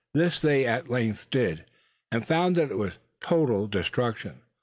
This they at length did, and found that it was total destruction.